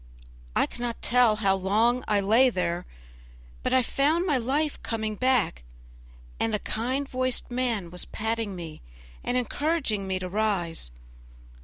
I cannot tell how long I lay there, but I found my life coming back, and a kind voiced man was patting me and encouraging me to rise.